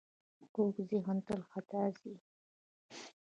کوږ ذهن تل خطا ځي